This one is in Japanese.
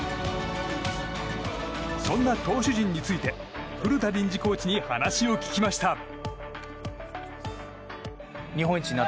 そんな投手陣について古田臨時コーチに話を聞きました。